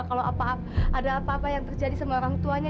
kalau ada apa apa yang terjadi sama orang tuanya